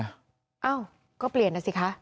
เอ้าก็เปลี่ยนนะสิคะ